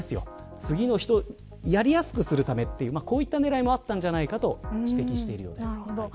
次の人がやりやすくするためというこういった狙いもあったんじゃないかと指摘しているようです。